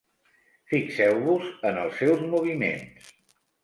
Fixeu-vos en els seus moviments.